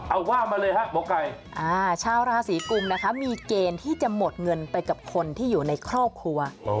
เอาว่ามาเลยฮะหมอไก่อ่าชาวราศีกุมนะคะมีเกณฑ์ที่จะหมดเงินไปกับคนที่อยู่ในครอบครัว